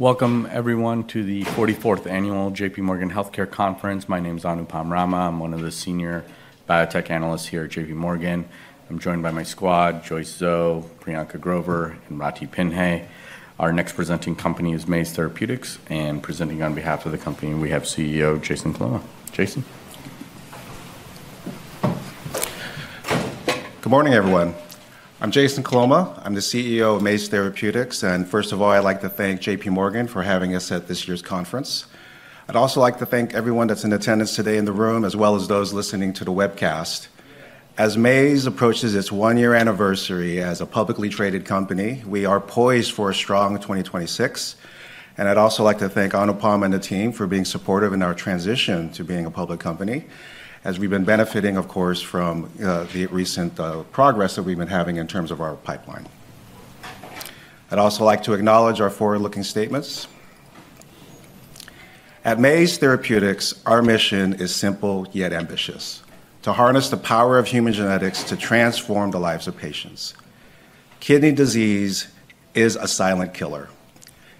Welcome, everyone, to the 44th Annual JPMorgan Healthcare Conference. My name is Anupam Rama. I'm one of the senior biotech analysts here at JPMorgan. I'm joined by my squad, Joyce Zhou, Priyanka Grover, and Rathi Pinhey. Our next presenting company is Maze Therapeutics, and presenting on behalf of the company, we have CEO Jason Coloma. Jason? Good morning, everyone. I'm Jason Coloma. I'm the CEO of Maze Therapeutics, and first of all, I'd like to thank JPMorgan for having us at this year's conference. I'd also like to thank everyone that's in attendance today in the room, as well as those listening to the webcast. As Maze approaches its one-year anniversary as a publicly traded company, we are poised for a strong 2026, and I'd also like to thank Anupam and the team for being supportive in our transition to being a public company, as we've been benefiting, of course, from the recent progress that we've been having in terms of our pipeline. I'd also like to acknowledge our forward-looking statements. At Maze Therapeutics, our mission is simple yet ambitious: to harness the power of human genetics to transform the lives of patients. Kidney disease is a silent killer.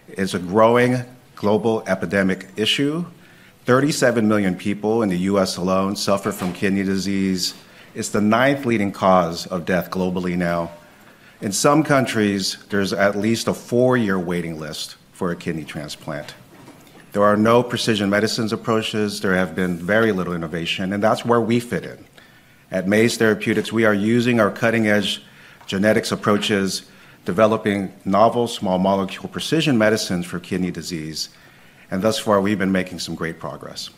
It's a growing global epidemic issue. 37 million people in the U.S. alone suffer from kidney disease. It's the ninth leading cause of death globally now. In some countries, there's at least a four-year waiting list for a kidney transplant. There are no precision medicines approaches. There have been very little innovation, and that's where we fit in. At Maze Therapeutics, we are using our cutting-edge genetics approaches, developing novel small-molecule precision medicines for kidney disease, and thus far, we've been making some great progress.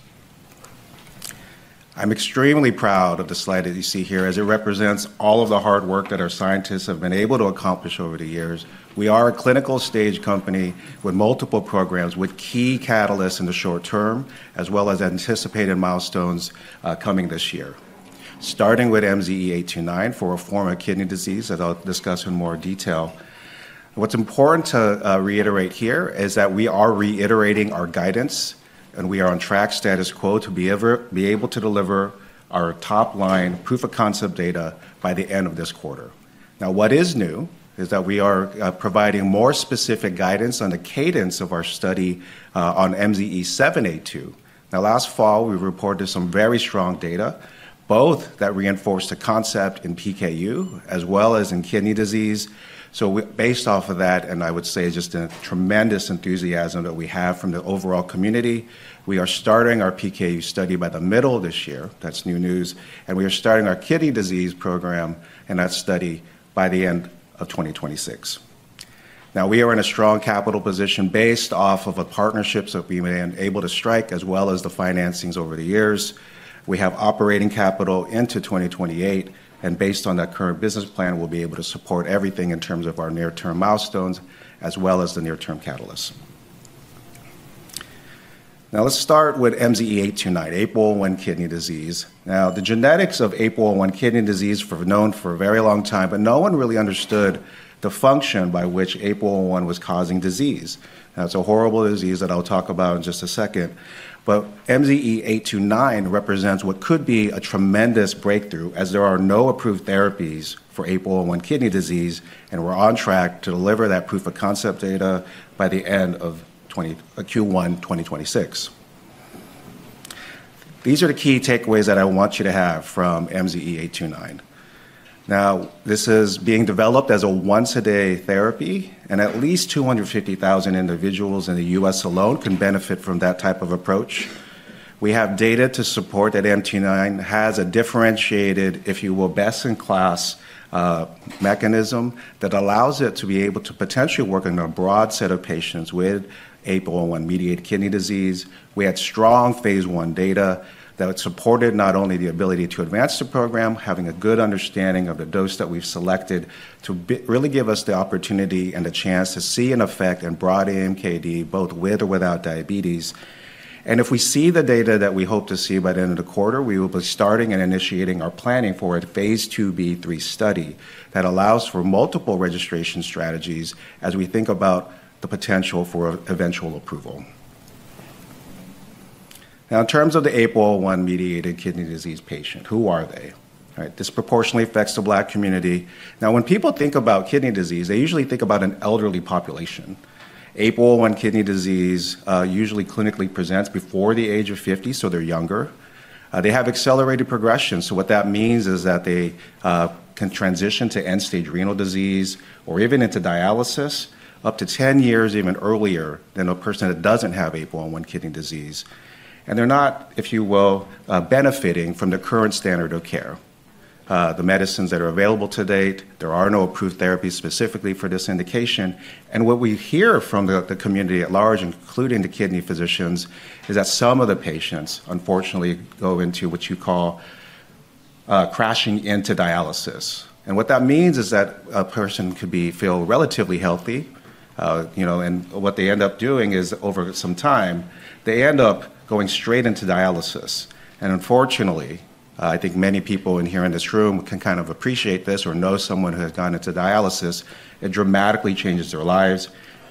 I'm extremely proud of the slide that you see here, as it represents all of the hard work that our scientists have been able to accomplish over the years. We are a clinical stage company with multiple programs, with key catalysts in the short term, as well as anticipated milestones coming this year, starting with MZE829 for APOL1 kidney disease that I'll discuss in more detail. What's important to reiterate here is that we are reiterating our guidance, and we are on track, status quo, to be able to deliver our top-line proof-of-concept data by the end of this quarter. Now, what is new is that we are providing more specific guidance on the cadence of our study on MZE782. Now, last fall, we reported some very strong data, both that reinforced the concept in PKU as well as in kidney disease. So, based off of that, and I would say just the tremendous enthusiasm that we have from the overall community, we are starting our PKU study by the middle of this year. That's new news, and we are starting our kidney disease program and that study by the end of 2026. Now, we are in a strong capital position based off of the partnerships that we've been able to strike, as well as the financings over the years. We have operating capital into 2028, and based on that current business plan, we'll be able to support everything in terms of our near-term milestones, as well as the near-term catalysts. Now, let's start with MZE829, APOL1 kidney disease. Now, the genetics of APOL1 kidney disease were known for a very long time, but no one really understood the function by which APOL1 was causing disease. Now, it's a horrible disease that I'll talk about in just a second, but MZE829 represents what could be a tremendous breakthrough, as there are no approved therapies for APOL1 kidney disease, and we're on track to deliver that proof-of-concept data by the end of Q1 2026. These are the key takeaways that I want you to have from MZE829. Now, this is being developed as a once-a-day therapy, and at least 250,000 individuals in the U.S. alone can benefit from that type of approach. We have data to support that MZE829 has a differentiated, if you will, best-in-class mechanism that allows it to be able to potentially work on a broad set of patients with APOL1-mediated kidney disease. We had strong phase I data that supported not only the ability to advance the program, having a good understanding of the dose that we've selected to really give us the opportunity and the chance to see an effect in broad AMKD, both with or without diabetes. And if we see the data that we hope to see by the end of the quarter, we will be starting and initiating our planning for a phase IIB/III study that allows for multiple registration strategies as we think about the potential for eventual approval. Now, in terms of the APOL1-mediated kidney disease patient, who are they? Disproportionately affects the Black community. Now, when people think about kidney disease, they usually think about an elderly population. APOL1 kidney disease usually clinically presents before the age of 50, so they're younger. They have accelerated progression, so what that means is that they can transition to end-stage renal disease or even into dialysis up to 10 years even earlier than a person that doesn't have APOL1 kidney disease. And they're not, if you will, benefiting from the current standard of care. The medicines that are available to date, there are no approved therapies specifically for this indication. What we hear from the community at large, including the kidney physicians, is that some of the patients, unfortunately, go into what you call crashing into dialysis. What that means is that a person could feel relatively healthy, and what they end up doing is, over some time, they end up going straight into dialysis. Unfortunately, I think many people in here in this room can kind of appreciate this or know someone who has gone into dialysis. It dramatically changes their lives.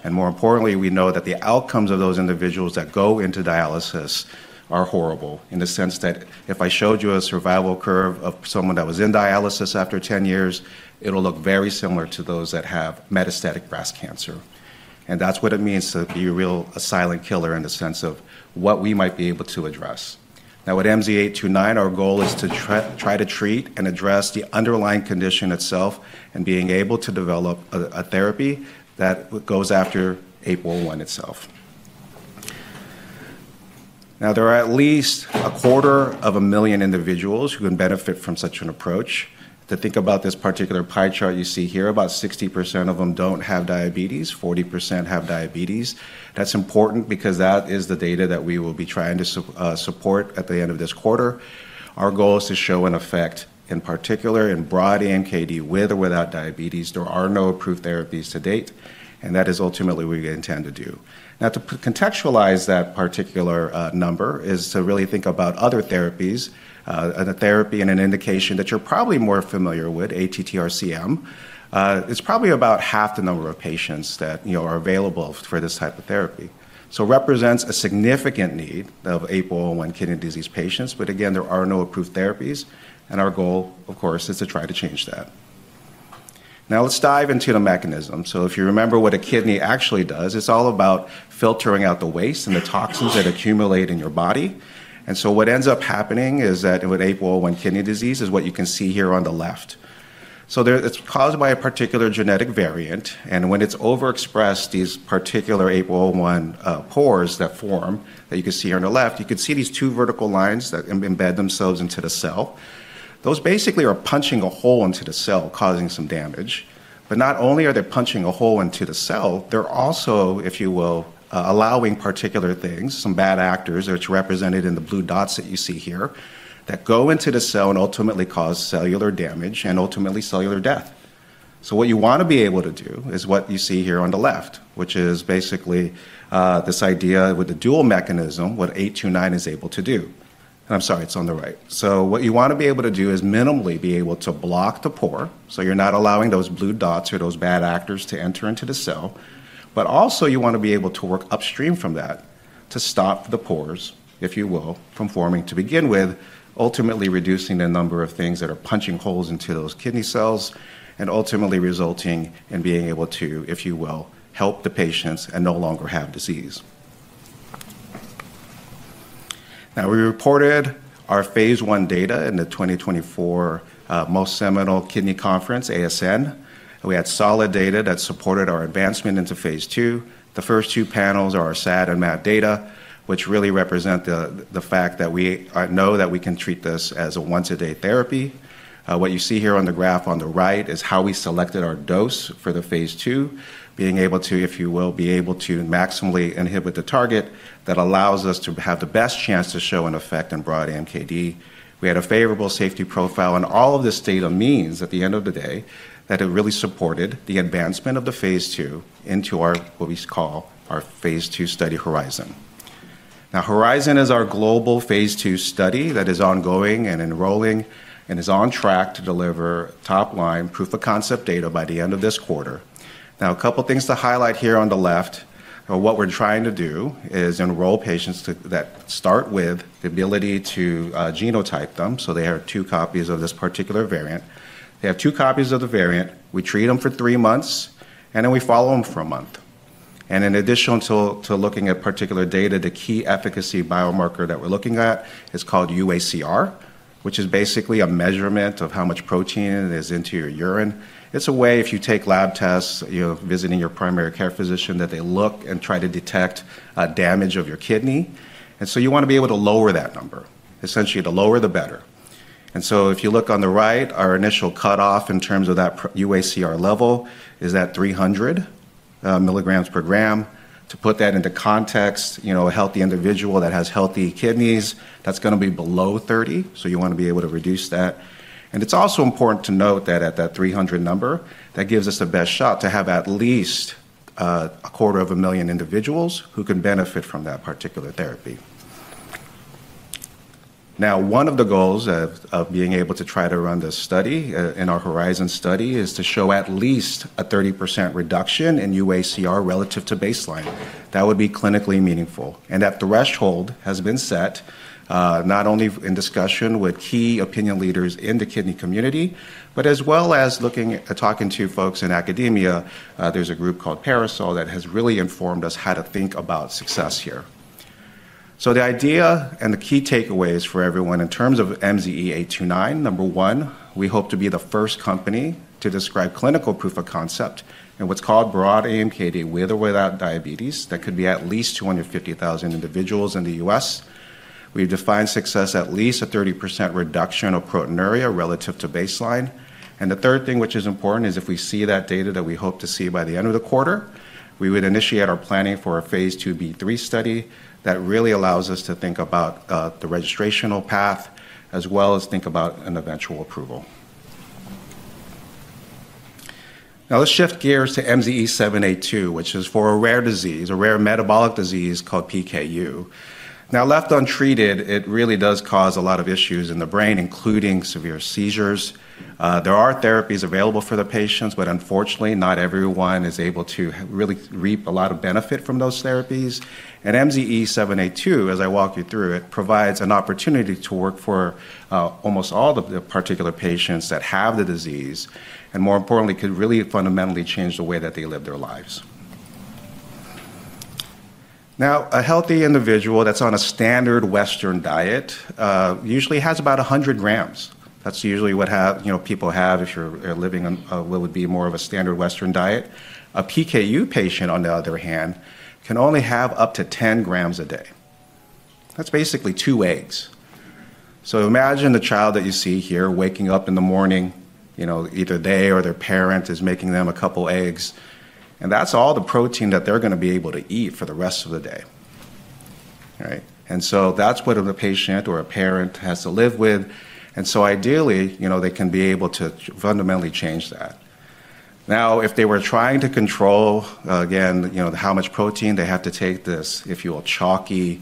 More importantly, we know that the outcomes of those individuals that go into dialysis are horrible in the sense that if I showed you a survival curve of someone that was in dialysis after 10 years, it'll look very similar to those that have metastatic breast cancer. That's what it means to be a real silent killer in the sense of what we might be able to address. Now, with MZE829, our goal is to try to treat and address the underlying condition itself and being able to develop a therapy that goes after APOL1 itself. Now, there are at least 250,000 individuals who can benefit from such an approach. To think about this particular pie chart you see here, about 60% of them don't have diabetes. 40% have diabetes. That's important because that is the data that we will be trying to support at the end of this quarter. Our goal is to show an effect in particular in broad AMKD with or without diabetes. There are no approved therapies to date, and that is ultimately what we intend to do. Now, to contextualize that particular number is to really think about other therapies. The therapy and an indication that you're probably more familiar with, ATTR-CM, is probably about half the number of patients that are available for this type of therapy. So it represents a significant need of APOL1 kidney disease patients, but again, there are no approved therapies, and our goal, of course, is to try to change that. Now, let's dive into the mechanism. So if you remember what a kidney actually does, it's all about filtering out the waste and the toxins that accumulate in your body. And so what ends up happening is that with APOL1 kidney disease is what you can see here on the left. So it's caused by a particular genetic variant, and when it's overexpressed, these particular APOL1 pores that form that you can see here on the left, you can see these two vertical lines that embed themselves into the cell. Those basically are punching a hole into the cell, causing some damage. But not only are they punching a hole into the cell, they're also, if you will, allowing particular things, some bad actors, which are represented in the blue dots that you see here, that go into the cell and ultimately cause cellular damage and ultimately cellular death. So what you want to be able to do is what you see here on the left, which is basically this idea with the dual mechanism, what MZE829 is able to do. And I'm sorry, it's on the right. What you want to be able to do is minimally be able to block the pore, so you're not allowing those blue dots or those bad actors to enter into the cell. But also, you want to be able to work upstream from that to stop the pores, if you will, from forming to begin with, ultimately reducing the number of things that are punching holes into those kidney cells and ultimately resulting in being able to, if you will, help the patients and no longer have disease. Now, we reported our phase I data in the 2024 seminal kidney conference ASN. We had solid data that supported our advancement into phase II. The first two panels are our SAD and MAD data, which really represent the fact that we know that we can treat this as a once-a-day therapy. What you see here on the graph on the right is how we selected our dose for the phase II, being able to, if you will, be able to maximally inhibit the target that allows us to have the best chance to show an effect in broad AMKD. We had a favorable safety profile, and all of this data means at the end of the day that it really supported the advancement of the phase II into what we call our phase II study HORIZON. Now, HORIZON is our global phase II study that is ongoing and enrolling and is on track to deliver top-line proof-of-concept data by the end of this quarter. Now, a couple of things to highlight here on the left. What we're trying to do is enroll patients that start with the ability to genotype them, so they have two copies of this particular variant. They have two copies of the variant. We treat them for three months, and then we follow them for a month. And in addition to looking at particular data, the key efficacy biomarker that we're looking at is called UACR, which is basically a measurement of how much protein is in your urine. It's a way, if you take lab tests, you're visiting your primary care physician, that they look and try to detect damage of your kidney. And so you want to be able to lower that number. Essentially, the lower, the better. And so if you look on the right, our initial cutoff in terms of that UACR level is at 300 mg/g. To put that into context, a healthy individual that has healthy kidneys, that's going to be below 30, so you want to be able to reduce that. It's also important to note that at that 300 number, that gives us the best shot to have at least a quarter of a million individuals who can benefit from that particular therapy. Now, one of the goals of being able to try to run this study in our HORIZON study is to show at least a 30% reduction in UACR relative to baseline. That would be clinically meaningful. That threshold has been set not only in discussion with key opinion leaders in the kidney community, but as well as looking at talking to folks in academia. There's a group called PARASOL that has really informed us how to think about success here. The idea and the key takeaways for everyone in terms of MZE829, number one, we hope to be the first company to describe clinical proof-of-concept in what's called broad AMKD with or without diabetes that could be at least 250,000 individuals in the U.S. We've defined success at least a 30% reduction of proteinuria relative to baseline. The third thing which is important is if we see that data that we hope to see by the end of the quarter, we would initiate our planning for a phase IIB/III study that really allows us to think about the registrational path as well as think about an eventual approval. Now, let's shift gears to MZE782, which is for a rare disease, a rare metabolic disease called PKU. Now, left untreated, it really does cause a lot of issues in the brain, including severe seizures. There are therapies available for the patients, but unfortunately, not everyone is able to really reap a lot of benefit from those therapies. MZE782, as I walk you through it, provides an opportunity to work for almost all of the particular patients that have the disease and, more importantly, could really fundamentally change the way that they live their lives. Now, a healthy individual that's on a standard Western diet usually has about 100 g. That's usually what people have if you're living what would be more of a standard Western diet. A PKU patient, on the other hand, can only have up to 10 g a day. That's basically two eggs. So imagine the child that you see here waking up in the morning, either they or their parent is making them a couple of eggs, and that's all the protein that they're going to be able to eat for the rest of the day. And so that's what a patient or a parent has to live with. And so ideally, they can be able to fundamentally change that. Now, if they were trying to control, again, how much protein, they have to take this, if you will, chalky,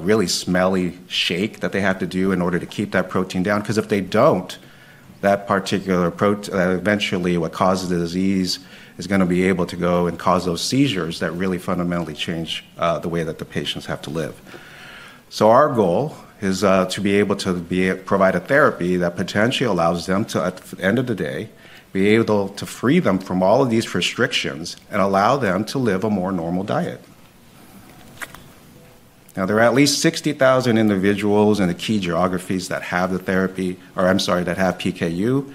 really smelly shake that they have to do in order to keep that protein down. Because if they don't, that particular eventually what causes the disease is going to be able to go and cause those seizures that really fundamentally change the way that the patients have to live. So our goal is to be able to provide a therapy that potentially allows them to, at the end of the day, be able to free them from all of these restrictions and allow them to live a more normal diet. Now, there are at least 60,000 individuals in the key geographies that have the therapy or, I'm sorry, that have PKU.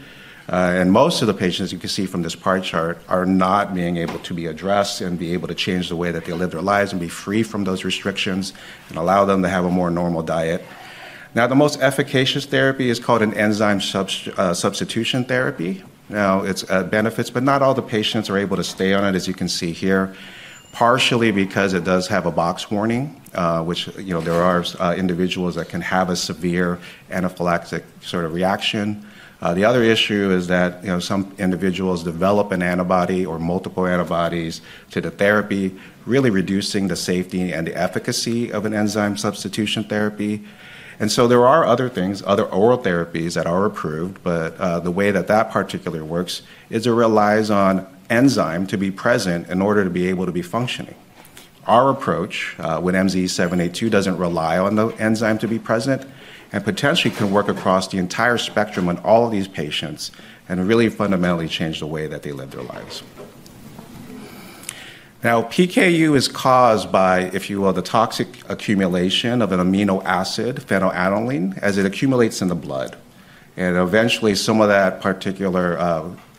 And most of the patients you can see from this pie chart are not being able to be addressed and be able to change the way that they live their lives and be free from those restrictions and allow them to have a more normal diet. Now, the most efficacious therapy is called an enzyme substitution therapy. Now, it benefits, but not all the patients are able to stay on it, as you can see here, partially because it does have a box warning, which there are individuals that can have a severe anaphylactic sort of reaction. The other issue is that some individuals develop an antibody or multiple antibodies to the therapy, really reducing the safety and the efficacy of an enzyme substitution therapy. And so there are other things, other oral therapies that are approved, but the way that that particular works is it relies on enzyme to be present in order to be able to be functioning. Our approach with MZE782 doesn't rely on the enzyme to be present and potentially can work across the entire spectrum on all of these patients and really fundamentally change the way that they live their lives. Now, PKU is caused by, if you will, the toxic accumulation of an amino acid, phenylalanine, as it accumulates in the blood, and eventually, some of that particular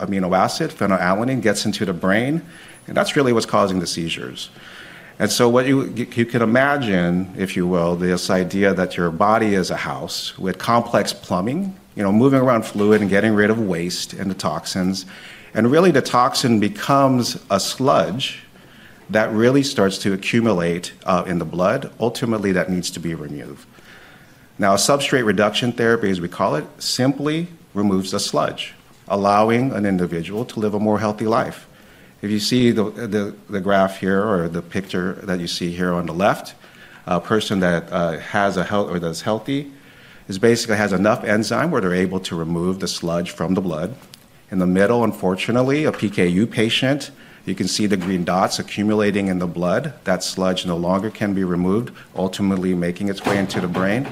amino acid, phenylalanine, gets into the brain, and that's really what's causing the seizures, and so what you can imagine, if you will, this idea that your body is a house with complex plumbing, moving around fluid and getting rid of waste and the toxins, and really the toxin becomes a sludge that really starts to accumulate in the blood, ultimately that needs to be removed. Now, substrate reduction therapy, as we call it, simply removes the sludge, allowing an individual to live a more healthy life. If you see the graph here or the picture that you see here on the left, a person that has health or that's healthy basically has enough enzyme where they're able to remove the sludge from the blood. In the middle, unfortunately, a PKU patient, you can see the green dots accumulating in the blood. That sludge no longer can be removed, ultimately making its way into the brain.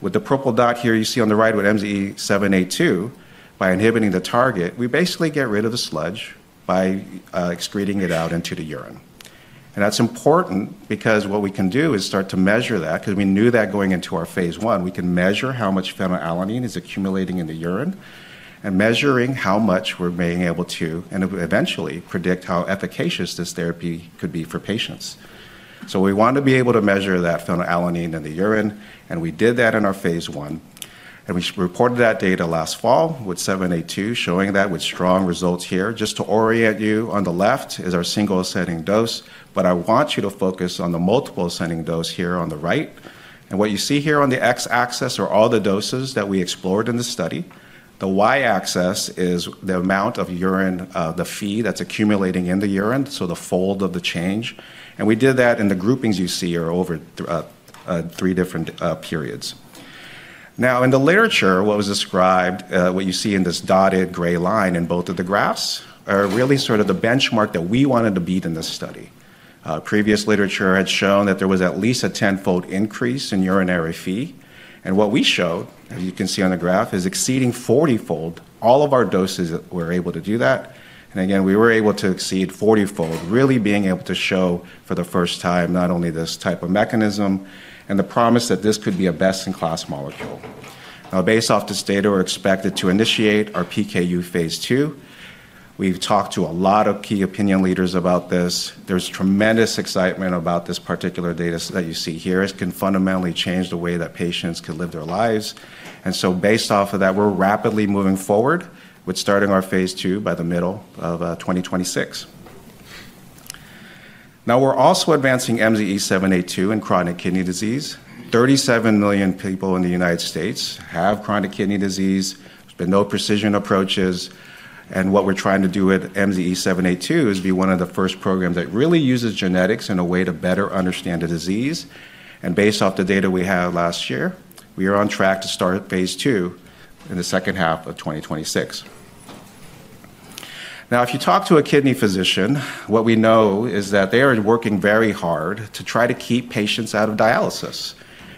With the purple dot here, you see on the right with MZE782, by inhibiting the target, we basically get rid of the sludge by excreting it out into the urine. And that's important because what we can do is start to measure that because we knew that going into our phase I, we can measure how much phenylalanine is accumulating in the urine and measuring how much we're being able to and eventually predict how efficacious this therapy could be for patients. So we want to be able to measure that phenylalanine in the urine, and we did that in our phase I. And we reported that data last fall with MZE782 showing that with strong results here. Just to orient you, on the left is our single ascending dose, but I want you to focus on the multiple ascending dose here on the right. And what you see here on the x-axis are all the doses that we explored in the study. The y-axis is the amount of urine, the Phe that's accumulating in the urine, so the fold change. And we did that in the groupings you see here over three different periods. Now, in the literature, what was described, what you see in this dotted gray line in both of the graphs are really sort of the benchmark that we wanted to beat in this study. Previous literature had shown that there was at least a 10-fold increase in urinary Phe. And what we showed, as you can see on the graph, is exceeding 40-fold. All of our doses were able to do that. And again, we were able to exceed 40-fold, really being able to show for the first time not only this type of mechanism and the promise that this could be a best-in-class molecule. Now, based off this data, we're expected to initiate our PKU phase II. We've talked to a lot of key opinion leaders about this. There's tremendous excitement about this particular data that you see here. It can fundamentally change the way that patients can live their lives, and so based off of that, we're rapidly moving forward with starting our phase II by the middle of 2026. Now, we're also advancing MZE782 in chronic kidney disease. 37 million people in the United States have chronic kidney disease. There's been no precision approaches, and what we're trying to do with MZE782 is be one of the first programs that really uses genetics in a way to better understand the disease, and based off the data we had last year, we are on track to start phase II in the second half of 2026. Now, if you talk to a kidney physician, what we know is that they are working very hard to try to keep patients out of dialysis.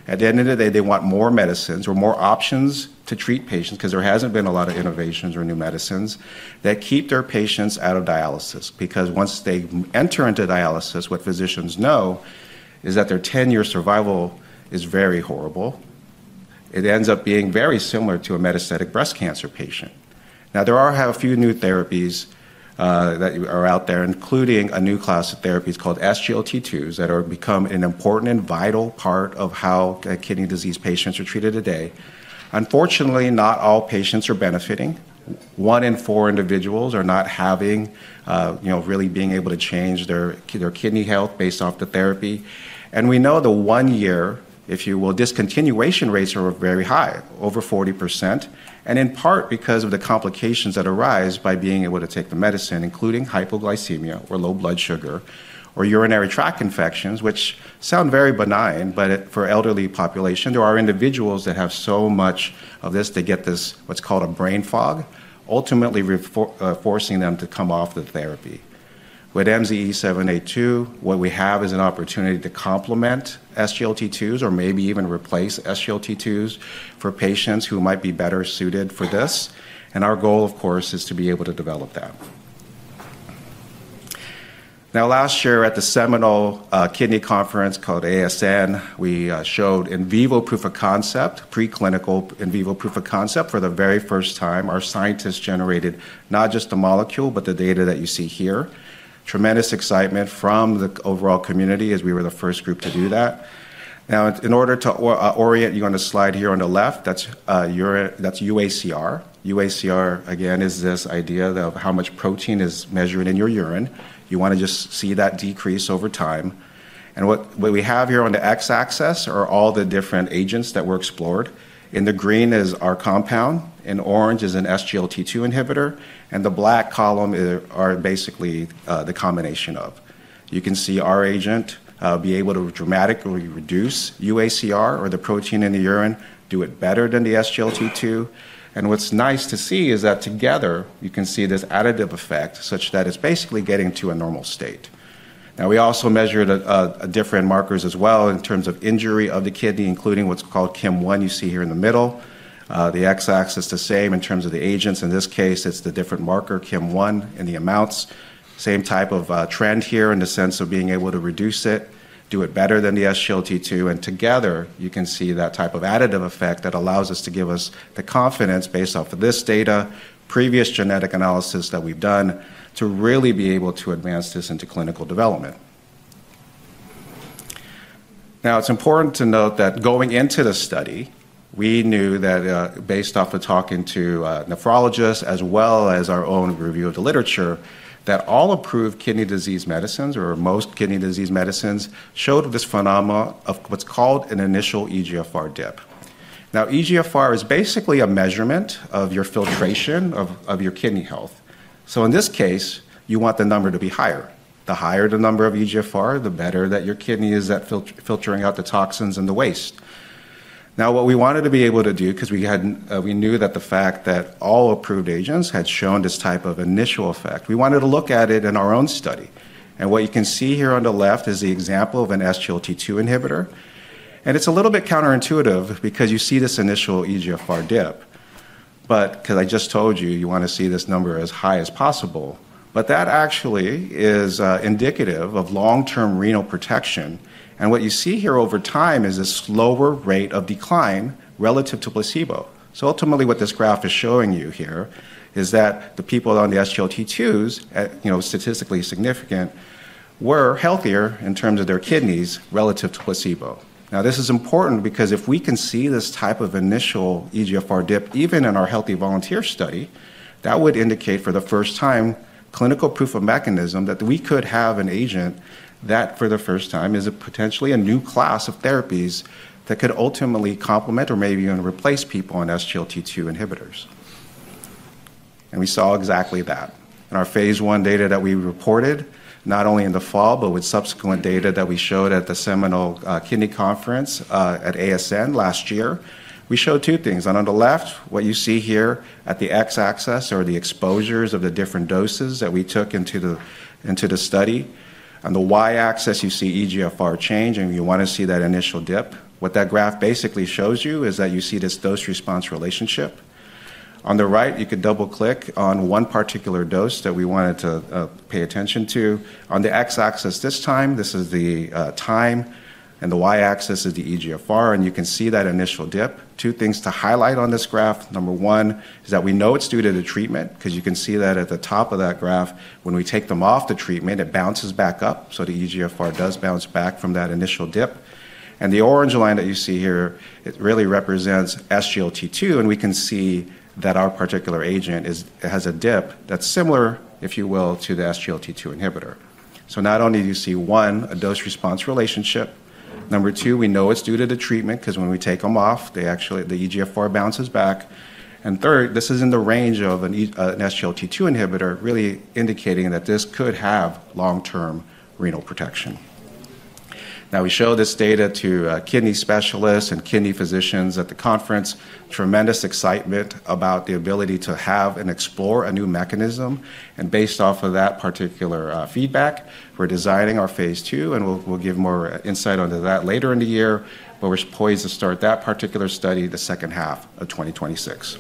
At the end of the day, they want more medicines or more options to treat patients because there hasn't been a lot of innovations or new medicines that keep their patients out of dialysis. Because once they enter into dialysis, what physicians know is that their 10-year survival is very horrible. It ends up being very similar to a metastatic breast cancer patient. Now, there are a few new therapies that are out there, including a new class of therapies called SGLT2s that have become an important and vital part of how kidney disease patients are treated today. Unfortunately, not all patients are benefiting. One in four individuals are not really being able to change their kidney health based off the therapy. And we know the one-year, if you will, discontinuation rates are very high, over 40%, and in part because of the complications that arise by being able to take the medicine, including hypoglycemia or low blood sugar or urinary tract infections, which sound very benign, but for elderly population, there are individuals that have so much of this to get this what's called a brain fog, ultimately forcing them to come off the therapy. With MZE782, what we have is an opportunity to complement SGLT2s or maybe even replace SGLT2s for patients who might be better suited for this. And our goal, of course, is to be able to develop that. Now, last year at the seminal kidney conference called ASN, we showed in vivo proof-of-concept, preclinical in vivo proof-of-concept for the very first time. Our scientists generated not just the molecule, but the data that you see here. Tremendous excitement from the overall community as we were the first group to do that. Now, in order to orient you on the slide here on the left, that's UACR. UACR, again, is this idea of how much protein is measured in your urine. You want to just see that decrease over time. And what we have here on the x-axis are all the different agents that were explored. In the green is our compound. In orange is an SGLT2 inhibitor. And the black column are basically the combination of. You can see our agent be able to dramatically reduce UACR or the protein in the urine, do it better than the SGLT2. And what's nice to see is that together, you can see this additive effect such that it's basically getting to a normal state. Now, we also measured different markers as well in terms of injury of the kidney, including what's called KIM-1 you see here in the middle. The x-axis is the same in terms of the agents. In this case, it's the different marker, KIM-1, and the amounts. Same type of trend here in the sense of being able to reduce it, do it better than the SGLT2, and together, you can see that type of additive effect that allows us to give us the confidence based off of this data, previous genetic analysis that we've done to really be able to advance this into clinical development. Now, it's important to note that going into the study, we knew that based off of talking to nephrologists as well as our own review of the literature, that all approved kidney disease medicines or most kidney disease medicines showed this phenomenon of what's called an initial eGFR dip. Now, eGFR is basically a measurement of your filtration of your kidney health, so in this case, you want the number to be higher. The higher the number of eGFR, the better that your kidney is at filtering out the toxins and the waste. Now, what we wanted to be able to do because we knew that the fact that all approved agents had shown this type of initial effect, we wanted to look at it in our own study, and what you can see here on the left is the example of an SGLT2 inhibitor. And it's a little bit counterintuitive because you see this initial eGFR dip. But because I just told you, you want to see this number as high as possible. But that actually is indicative of long-term renal protection. And what you see here over time is a slower rate of decline relative to placebo. So ultimately, what this graph is showing you here is that the people on the SGLT2s, statistically significant, were healthier in terms of their kidneys relative to placebo. Now, this is important because if we can see this type of initial eGFR dip, even in our healthy volunteer study, that would indicate for the first time clinical proof of mechanism that we could have an agent that for the first time is potentially a new class of therapies that could ultimately complement or maybe even replace people on SGLT2 inhibitors. And we saw exactly that. In our phase I data that we reported, not only in the fall, but with subsequent data that we showed at the seminal kidney conference at ASN last year, we showed two things, and on the left, what you see here at the x-axis are the exposures of the different doses that we took into the study. On the y-axis, you see eGFR change, and you want to see that initial dip. What that graph basically shows you is that you see this dose-response relationship. On the right, you could double-click on one particular dose that we wanted to pay attention to. On the x-axis this time, this is the time, and the y-axis is the eGFR, and you can see that initial dip. Two things to highlight on this graph. Number one is that we know it's due to the treatment because you can see that at the top of that graph, when we take them off the treatment, it bounces back up. So the eGFR does bounce back from that initial dip. And the orange line that you see here, it really represents SGLT2, and we can see that our particular agent has a dip that's similar, if you will, to the SGLT2 inhibitor. So not only do you see one, a dose-response relationship. Number two, we know it's due to the treatment because when we take them off, the eGFR bounces back. And third, this is in the range of an SGLT2 inhibitor, really indicating that this could have long-term renal protection. Now, we showed this data to kidney specialists and kidney physicians at the conference. Tremendous excitement about the ability to have and explore a new mechanism. And based off of that particular feedback, we're designing our phase II, and we'll give more insight onto that later in the year, but we're poised to start that particular study the second half of 2026.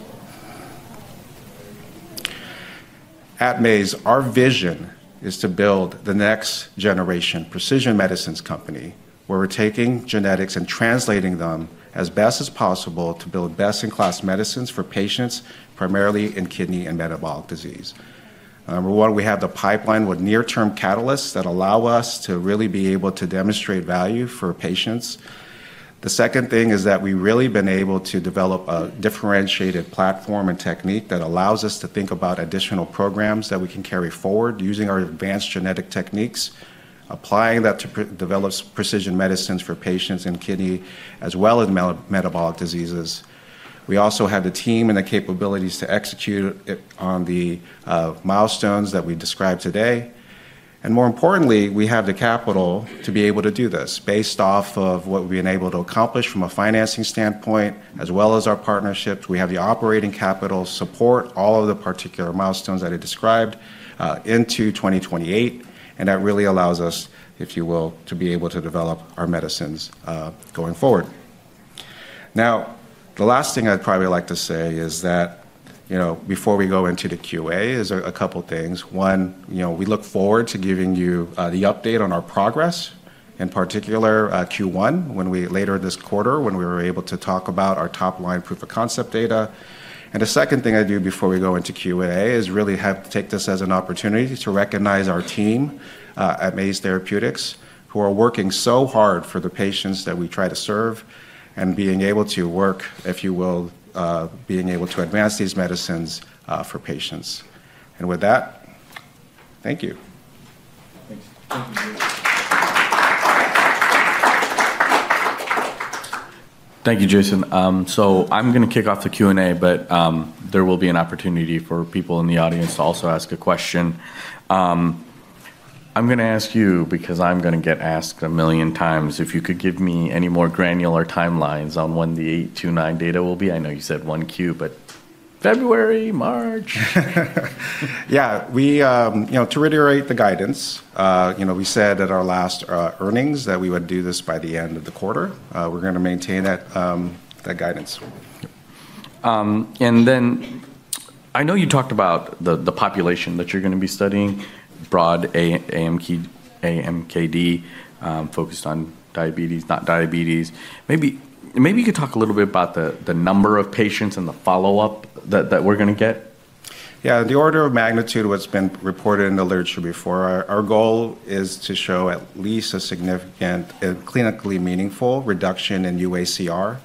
At Maze, our vision is to build the next-generation precision medicines company where we're taking genetics and translating them as best as possible to build best-in-class medicines for patients primarily in kidney and metabolic disease. Number one, we have the pipeline with near-term catalysts that allow us to really be able to demonstrate value for patients. The second thing is that we've really been able to develop a differentiated platform and technique that allows us to think about additional programs that we can carry forward using our advanced genetic techniques, applying that to develop precision medicines for patients in kidney as well as metabolic diseases. We also have the team and the capabilities to execute it on the milestones that we described today. And more importantly, we have the capital to be able to do this based off of what we've been able to accomplish from a financing standpoint, as well as our partnership. We have the operating capital to support all of the particular milestones that I described into 2028. And that really allows us, if you will, to be able to develop our medicines going forward. Now, the last thing I'd probably like to say is, before we go into the Q&A, a couple of things. One, we look forward to giving you the update on our progress, in particular Q1, later this quarter, when we were able to talk about our top-line proof-of-concept data. And the second thing I do before we go into Q&A is really take this as an opportunity to recognize our team at Maze Therapeutics, who are working so hard for the patients that we try to serve and being able to work, if you will, being able to advance these medicines for patients. And with that, thank you. Thanks. Thank you, Jason. So I'm going to kick off the Q&A, but there will be an opportunity for people in the audience to also ask a question. I'm going to ask you, because I'm going to get asked a million times, if you could give me any more granular timelines on when the MZE829 data will be. I know you said 1Q, but February, March. Yeah. To reiterate the guidance, we said at our last earnings that we would do this by the end of the quarter. We're going to maintain that guidance. And then I know you talked about the population that you're going to be studying. Broad AMKD focused on diabetes, not diabetes. Maybe you could talk a little bit about the number of patients and the follow-up that we're going to get? Yeah. The order of magnitude of what's been reported in the literature before, our goal is to show at least a significant and clinically meaningful reduction in UACR,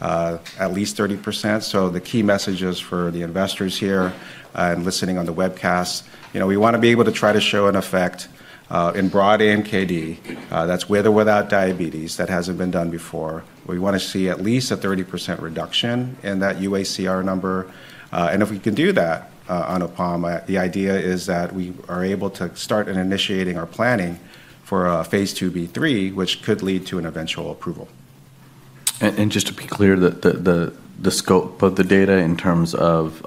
at least 30%. So the key messages for the investors here and listening on the webcast, we want to be able to try to show an effect in broad AMKD that's with or without diabetes that hasn't been done before. We want to see at least a 30% reduction in that UACR number. If we can do that Anupam, the idea is that we are able to start initiating our planning for phase IIB/III, which could lead to an eventual approval. Just to be clear, the scope of the data in terms of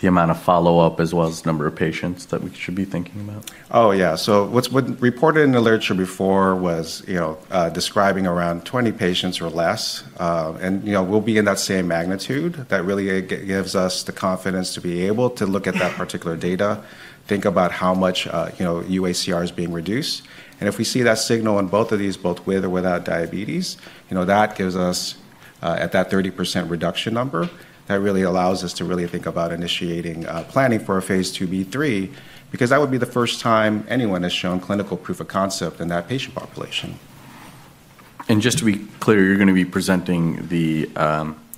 the amount of follow-up as well as the number of patients that we should be thinking about? Oh, yeah. What's reported in the literature before was describing around 20 patients or less. We'll be in that same magnitude. That really gives us the confidence to be able to look at that particular data, think about how much UACR is being reduced. If we see that signal on both of these, both with or without diabetes, that gives us at that 30% reduction number. That really allows us to really think about initiating planning for a phase IIB/III, because that would be the first time anyone has shown clinical proof-of-concept in that patient population. And just to be clear, you're going to be presenting the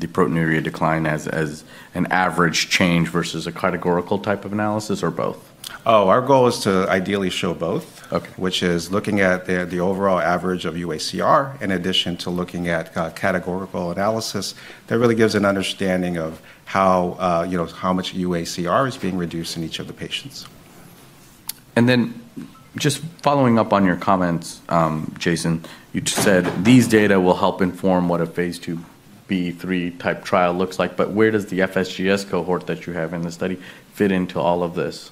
proteinuria decline as an average change versus a categorical type of analysis or both? Oh, our goal is to ideally show both, which is looking at the overall average of UACR in addition to looking at categorical analysis that really gives an understanding of how much UACR is being reduced in each of the patients. And then just following up on your comments, Jason, you said these data will help inform what a phase IIB/III type trial looks like. But where does the FSGS cohort that you have in the study fit into all of this?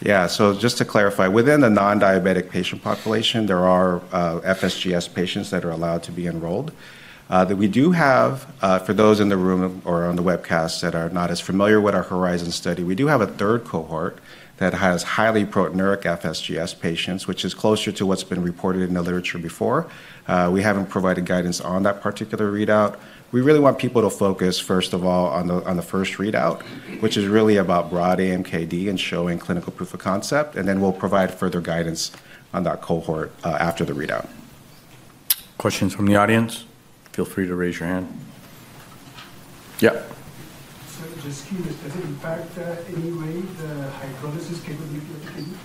Yeah. So just to clarify, within the non-diabetic patient population, there are FSGS patients that are allowed to be enrolled. We do have, for those in the room or on the webcast that are not as familiar with our HORIZON study, we do have a third cohort that has highly proteinuric FSGS patients, which is closer to what's been reported in the literature before. We haven't provided guidance on that particular readout. We really want people to focus, first of all, on the first readout, which is really about broad AMKD and showing clinical proof-of-concept. And then we'll provide further guidance on that cohort after the readout. Questions from the audience? Feel free to raise your hand. Yep. So just curious, does it impact in any way the hydrolysis capability of the kidney?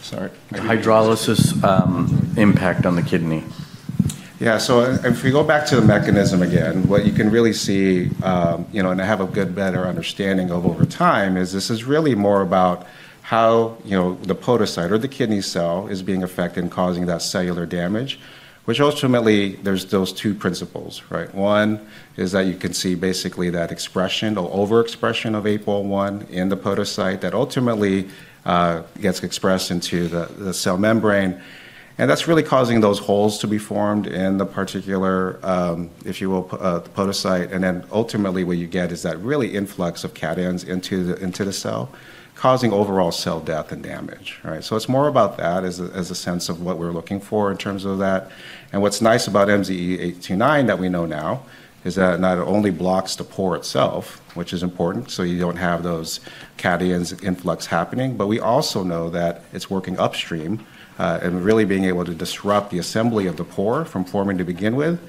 Sorry. Hydrolysis impact on the kidney? Yeah. So if we go back to the mechanism again, what you can really see, and I have a good, better understanding of over time, is this is really more about how the podocyte or the kidney cell is being affected and causing that cellular damage, which ultimately, there's those two principles, right? One is that you can see basically that expression or overexpression of APOL1 in the podocyte that ultimately gets expressed into the cell membrane. And that's really causing those holes to be formed in the particular, if you will, podocyte. And then ultimately, what you get is that really influx of cations into the cell, causing overall cell death and damage, right? So it's more about that as a sense of what we're looking for in terms of that. And what's nice about MZE829 that we know now is that it not only blocks the pore itself, which is important, so you don't have those cations influx happening, but we also know that it's working upstream and really being able to disrupt the assembly of the pore from forming to begin with.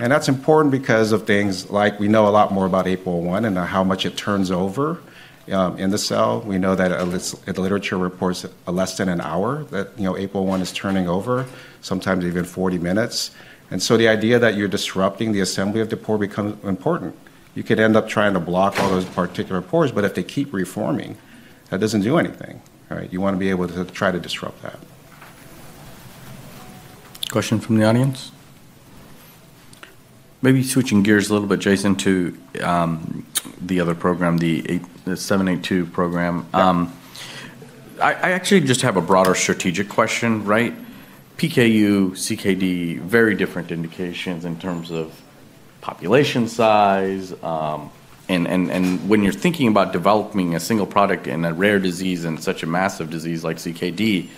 And that's important because of things like we know a lot more about APOL1 and how much it turns over in the cell. We know that the literature reports less than an hour that APOL1 is turning over, sometimes even 40 minutes. And so the idea that you're disrupting the assembly of the pore becomes important. You could end up trying to block all those particular pores, but if they keep reforming, that doesn't do anything, right? You want to be able to try to disrupt that. Question from the audience? Maybe switching gears a little bit, Jason, to the other program, the MZE782 program. I actually just have a broader strategic question, right? PKU, CKD, very different indications in terms of population size. And when you're thinking about developing a single product in a rare disease and such a massive disease like CKD,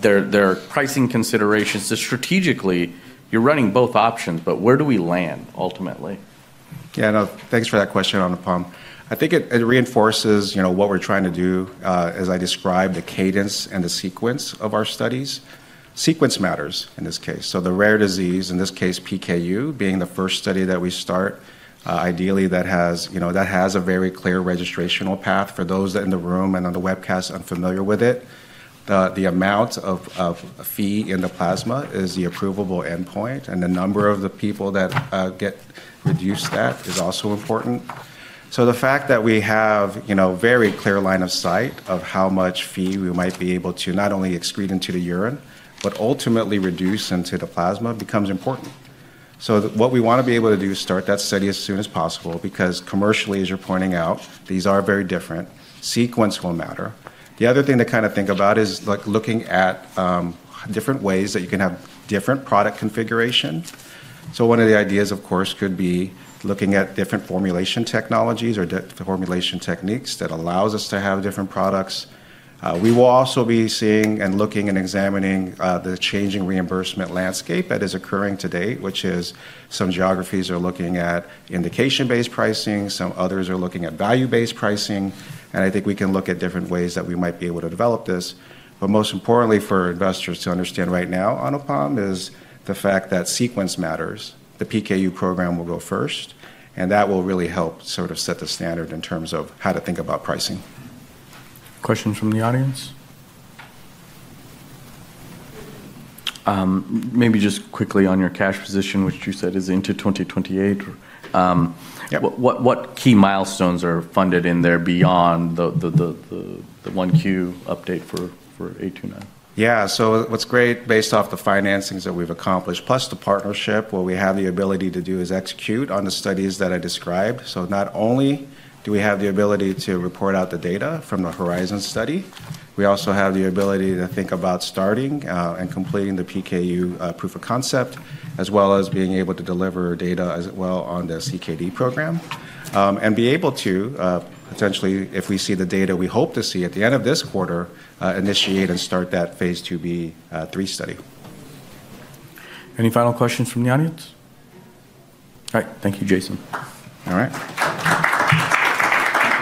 there are pricing considerations. So strategically, you're running both options, but where do we land ultimately? Yeah. Thanks for that question on the MZE782. I think it reinforces what we're trying to do, as I described, the cadence and the sequence of our studies. Sequence matters in this case. So the rare disease, in this case, PKU, being the first study that we start, ideally that has a very clear registrational path for those that are in the room and on the webcast unfamiliar with it. The amount of Phe in the plasma is the approvable endpoint, and the number of the people that get reduced that is also important. So the fact that we have a very clear line of sight of how much Phe we might be able to not only excrete into the urine, but ultimately reduce into the plasma becomes important. So what we want to be able to do is start that study as soon as possible because commercially, as you're pointing out, these are very different. Sequence will matter. The other thing to kind of think about is looking at different ways that you can have different product configurations. So one of the ideas, of course, could be looking at different formulation technologies or formulation techniques that allows us to have different products. We will also be seeing and looking and examining the changing reimbursement landscape that is occurring today, which is some geographies are looking at indication-based pricing, some others are looking at value-based pricing. And I think we can look at different ways that we might be able to develop this. But most importantly for investors to understand right now on a JPM is the fact that sequence matters. The PKU program will go first, and that will really help sort of set the standard in terms of how to think about pricing. Questions from the audience? Maybe just quickly on your cash position, which you said is into 2028. What key milestones are funded in there beyond the 1Q update for MZE829? Yeah. So what's great, based off the financings that we've accomplished, plus the partnership, what we have the ability to do is execute on the studies that I described. So not only do we have the ability to report out the data from the HORIZON study, we also have the ability to think about starting and completing the PKU proof-of-concept, as well as being able to deliver data as well on the CKD program, and be able to potentially, if we see the data we hope to see at the end of this quarter, initiate and start phase IIB/III study. Any final questions from the audience? All right. Thank you, Jason. All right.